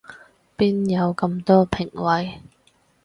邊有咁多評委